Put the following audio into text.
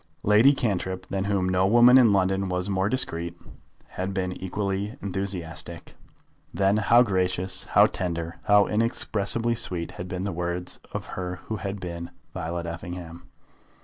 Lady Cantrip, than whom no woman in London was more discreet, had been equally enthusiastic. Then how gracious, how tender, how inexpressibly sweet had been the words of her who had been Violet Effingham!